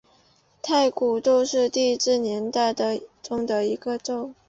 太古宙是地质年代中的一个宙。